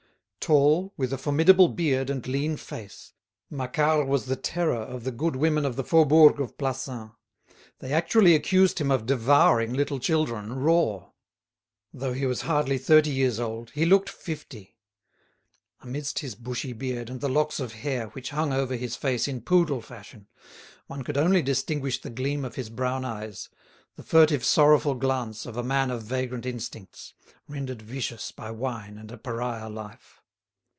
Tall, with a formidable beard and lean face, Macquart was the terror of the good women of the Faubourg of Plassans; they actually accused him of devouring little children raw. Though he was hardly thirty years old, he looked fifty. Amidst his bushy beard and the locks of hair which hung over his face in poodle fashion, one could only distinguish the gleam of his brown eyes, the furtive sorrowful glance of a man of vagrant instincts, rendered vicious by wine and a pariah life.